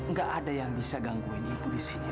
gak ada yang bisa gangguin ibu disini